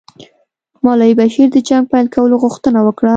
مولوي بشیر د جنګ پیل کولو غوښتنه وکړه.